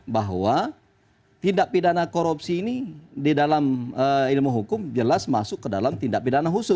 bahwa tindak pidana korupsi ini di dalam ilmu hukum jelas masuk ke dalam tindak pidana khusus